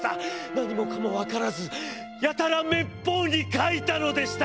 何もかもわからずやたら滅法に描いたのでした。